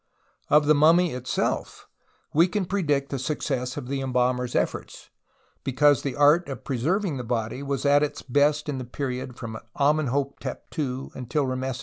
Of the mummy itself we can predict the success of the embalmer's efforts, because the art of preserving the body was at its best in the period from Amenhotep II until i3 4 J?